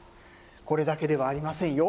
これだけではありませんよ。